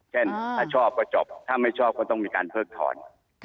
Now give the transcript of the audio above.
เช่นชอบก็จบถ้าไม่ชอบก็ต้องมีการเพิกถอน